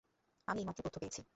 আমি এইমাত্র তথ্য পেয়েছি।